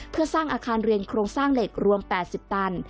เพื่อสร้างอาคารเรียนโครงสร้างเหล็กรวม๘๐ตัน